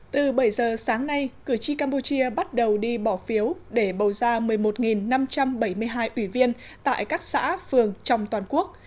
từ bảy giờ sáng nay cử tri campuchia bắt đầu đi bỏ phiếu để bầu ra một mươi một năm trăm bảy mươi hai ủy viên tại các xã phường trong toàn quốc